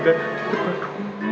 di depan rumah mam